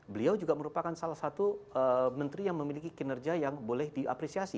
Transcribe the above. beliau juga merupakan salah satu menteri yang memiliki kinerja yang boleh diapresiasi